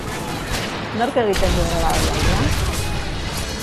Nork egiten du greba deialdia?